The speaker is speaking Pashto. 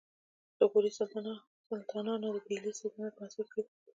د غوري سلطانانو د دهلي سلطنت بنسټ کېښود